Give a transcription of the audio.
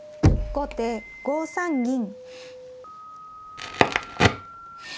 後手５三銀。